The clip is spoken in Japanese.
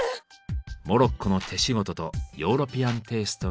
モロッコの手仕事とヨーロピアンテイストが共存。